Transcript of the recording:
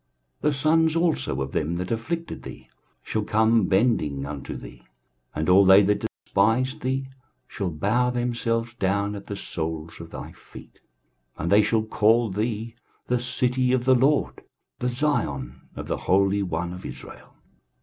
23:060:014 The sons also of them that afflicted thee shall come bending unto thee; and all they that despised thee shall bow themselves down at the soles of thy feet; and they shall call thee; The city of the LORD, The Zion of the Holy One of Israel.